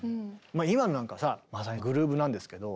今のなんかさまさにグルーヴなんですけど。